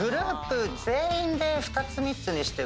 全員で２つ３つにして。